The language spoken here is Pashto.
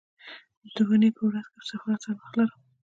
د دونۍ په ورځ د سفارت سره وخت لرم